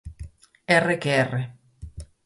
Erre que erre.